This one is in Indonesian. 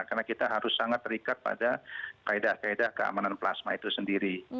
karena kita harus sangat terikat pada kaedah kaedah keamanan plasma itu sendiri